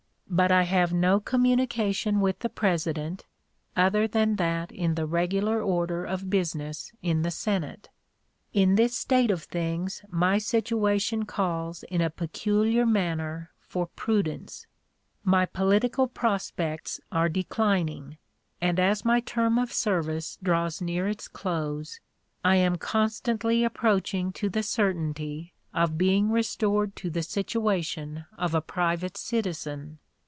But I have no communication with the President, other than that in the regular order of business in the Senate. In this state of things my situation calls in a peculiar manner for prudence; my political prospects are declining, and, as my term of service draws near its close, I am constantly approaching to the certainty of being restored to the situation of a private citizen.